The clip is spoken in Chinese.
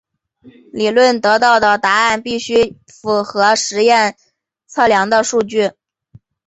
理论得到的答案必须符合实验测量的数据。